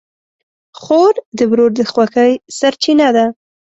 خور د ورور د خوښۍ سرچینه ده.